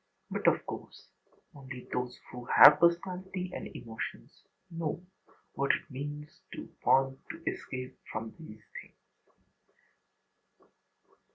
But, of course, only those who have personality and emotions know what it means to want to escape from these things.